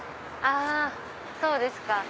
あそうですか。